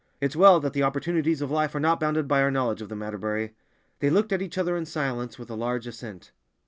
It's well that the opportunities of life are not bounded by our knowledge of them, Atterbury." They looked at each other in silence with a large assent.